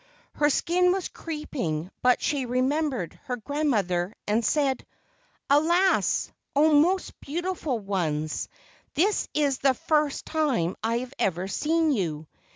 Her skin was creeping, but she remembered her grandmother and said: "Alas, O most beautiful ones, this is the first time I have ever seen you.